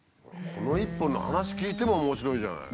この一本の話聞いても面白いじゃない。